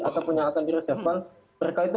ataupun yang akan di resapel mereka itu